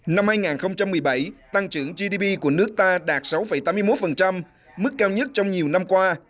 năm hai nghìn một mươi bảy tăng trưởng gdp của nước ta đạt sáu tám mươi một mức cao nhất trong nhiều năm qua